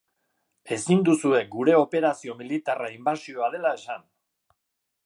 Ezin duzue gure operazio militarra inbasioa dela esan.